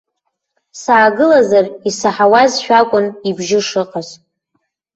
Саагылазар исаҳауазшәа акәын ибжьы шыҟаз.